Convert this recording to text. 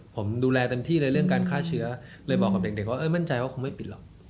ผมดูแลเต็มที่เลยเรื่องการฆ่าเชื้อเลยบอกกับเด็กว่าเออมั่นใจว่าคงไม่ปิดหรอก